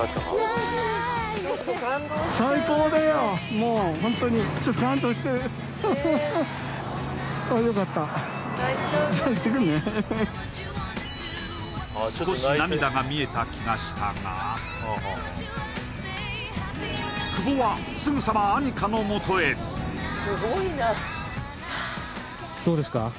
もうホントに少し涙が見えた気がしたが久保はすぐさまどうですか？